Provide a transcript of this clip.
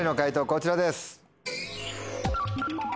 こちらです。